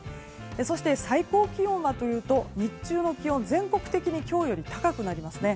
そして、最高気温はというと日中の気温、全国的に今日より高くなりますね。